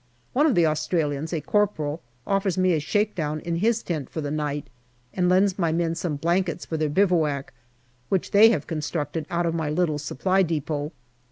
One of the Australians, a corporal, offers me a shakedown in his tent for the night, and lends my men some blankets for their bivouac, which they have constructed out of my little Supply depot.